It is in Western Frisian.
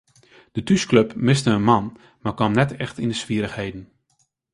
De thúsklup miste in man mar kaam net echt yn swierrichheden.